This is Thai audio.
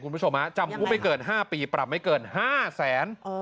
คุณผู้ชมฮะจำคุกไม่เกิน๕ปีปรับไม่เกิน๕แสน